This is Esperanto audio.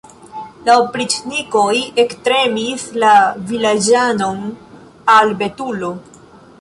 La opriĉnikoj ektrenis la vilaĝanon al betulo.